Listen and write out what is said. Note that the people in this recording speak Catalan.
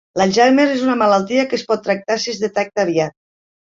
L'Alzheimer és una malaltia que es pot tractar si es detecta aviat.